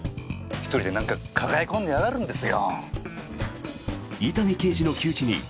１人で、なんか抱え込んでやがるんですよ。